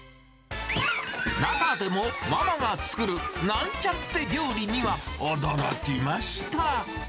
中でもママが作るなんちゃって料理には、驚きました。